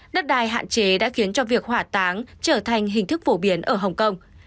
đất đai hạn chế đã khiến cho việc hỏa táng trở thành hình thức phổ biến ở hồng kông